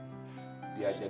tapi tidak kesampean